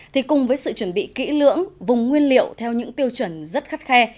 thì cùng với sự chuẩn bị kỹ lưỡng vùng nguyên liệu theo những tiêu chuẩn rất khắt khe